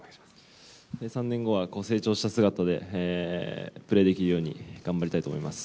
３年後は成長した姿でプレーできるように頑張りたいと思います。